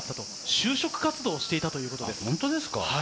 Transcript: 就職活動をしていたということです。